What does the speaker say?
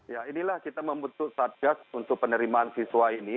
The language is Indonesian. ya inilah kita membutuhkan sadgas untuk penerimaan siswa ini